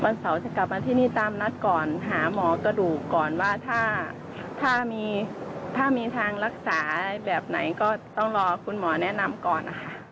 เสาร์จะกลับมาที่นี่ตามนัดก่อนหาหมอกระดูกก่อนว่าถ้ามีทางรักษาแบบไหนก็ต้องรอคุณหมอแนะนำก่อนนะคะ